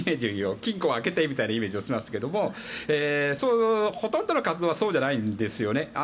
金庫を開けてみたいなイメージをしますがほとんどの活動はそうじゃないんですよね。